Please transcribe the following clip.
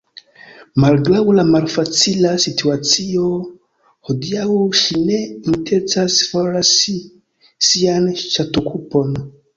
Malgraŭ la malfacila situacio hodiaŭ ŝi ne intencas forlasi sian ŝatokupon.